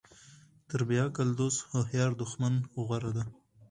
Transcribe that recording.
تر بیعقل دوست هوښیار دښمن غوره ده.